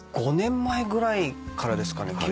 ５年前ぐらいからですかね